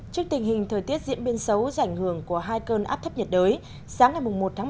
trước tình hình thời tiết diễn biến xấu giảnh hưởng của hai cơn áp thấp nhiệt đới sáng ngày một một mươi một